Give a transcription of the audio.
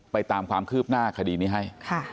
ตามความคืบหน้าคดีนี้ให้